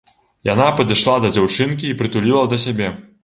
Яна падышла да дзяўчынкі і прытуліла да сябе.